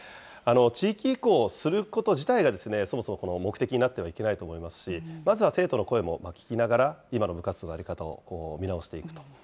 地域移行をすること自体がそもそも目的になってはいけないと思いますし、まずは生徒の声も聞きながら、今の部活動の在り方を見直していくと。